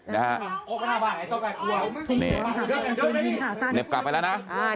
เหน็บกลับไปล่ะนะ